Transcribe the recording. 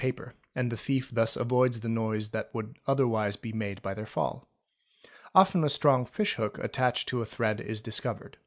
680 ; THEFT paper, and the thief thus avoids the noise that would otherwise be made by their fall. Often a strong fish hook attached to a thread is discovered.